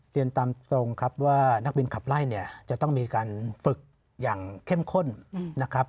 เรียนตามตรงครับว่านักบินขับไล่เนี่ยจะต้องมีการฝึกอย่างเข้มข้นนะครับ